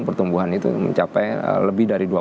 pertumbuhan itu mencapai lebih dari dua puluh delapan